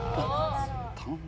頼む。